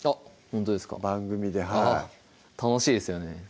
ほんとですか番組で楽しいですよね